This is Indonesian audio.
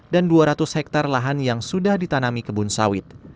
dan dua ratus hektare lahan yang sudah ditanami kebun sawit